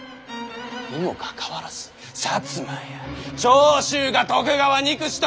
にもかかわらず摩や長州が徳川憎しと戦を仕掛け。